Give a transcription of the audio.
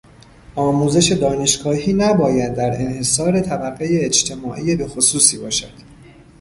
آموزش دانشگاهی نباید در انحصار طبقهی اجتماعی بخصوصی باشد.